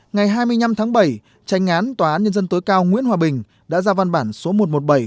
ngày hai mươi năm tháng bảy tranh án tòa án nhân dân tối cao nguyễn hòa bình đã ra văn bản số một trăm một mươi bảy